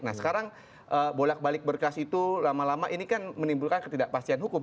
nah sekarang bolak balik berkas itu lama lama ini kan menimbulkan ketidakpastian hukum